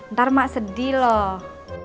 ntar mak sedih loh